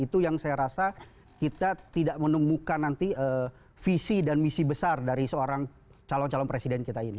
itu yang saya rasa kita tidak menemukan nanti visi dan misi besar dari seorang calon calon presiden kita ini